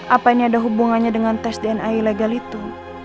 apa ini ada hubungannya dengan tes dna ilegal itu